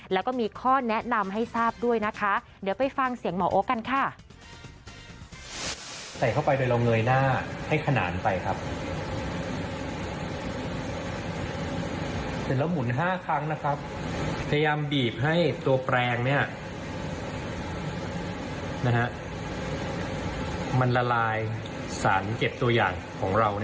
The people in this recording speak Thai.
แล้วก็มีข้อแนะนำให้ทราบด้วยนะคะเดี๋ยวไปฟังเสียงหมอโอ๊คกันค่ะ